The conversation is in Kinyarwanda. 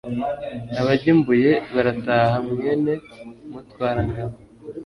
Abajya i Mbuye baratahaMwene Mutwarangabo